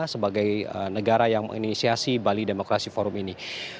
sebagai negara yang menginisiasi bali demokrasi forum ini